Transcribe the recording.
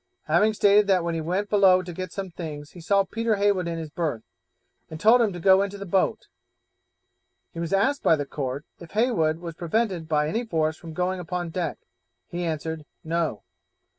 Having stated that when he went below to get some things he saw Peter Heywood in his berth, and told him to go into the boat, he was asked by the Court if Heywood was prevented by any force from going upon deck, he answered, 'No.'